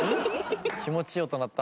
気持ちいい音鳴った。